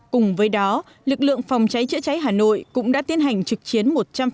cùng với đó lực lượng phòng cháy chữa cháy hà nội cũng đã tiến hành trực chiến một trăm linh